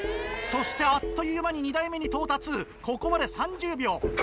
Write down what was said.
そしてあっという間に２台目に到達ここまで３０秒。